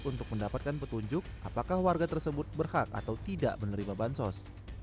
untuk mendapatkan petunjuk apakah warga tersebut berhak atau tidak menerima bansos